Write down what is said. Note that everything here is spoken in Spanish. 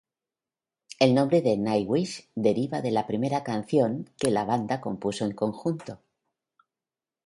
El nombre "Nightwish" deriva de la primera canción que la banda compuso en conjunto.